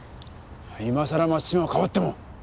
今さら松島をかばっても！